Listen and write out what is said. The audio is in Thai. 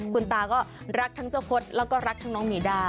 คุณตาก็รักทั้งเจ้าคดแล้วก็รักทั้งน้องมีด้า